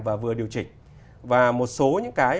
và vừa điều chỉnh và một số những cái